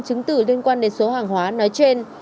chứng tử liên quan đến số hàng hóa nói trên